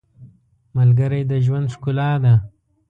• ملګری د ژوند ښکلا ده.